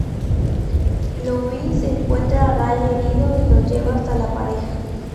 Louis encuentra a Ray herido y lo lleva hasta la pareja.